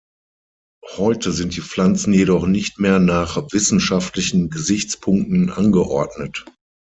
Heute sind die Pflanzen jedoch nicht mehr nach wissenschaftlichen Gesichtspunkten angeordnet.